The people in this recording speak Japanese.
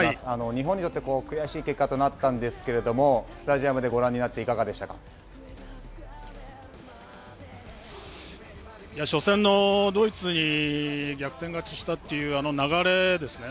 日本にとって悔しい結果になったんですけれどもスタジアムでご覧になって、いか初戦のドイツに逆転勝ちしたというあの流れですね。